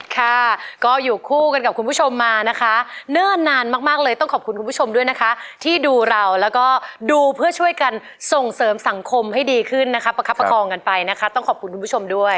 ค่ะก็อยู่คู่กันกับคุณผู้ชมมานะคะเนิ่นนานมากเลยต้องขอบคุณคุณผู้ชมด้วยนะคะที่ดูเราแล้วก็ดูเพื่อช่วยกันส่งเสริมสังคมให้ดีขึ้นนะคะประคับประคองกันไปนะคะต้องขอบคุณคุณผู้ชมด้วย